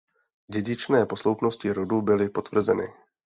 Dědičné posloupnosti rodu byly potvrzeny.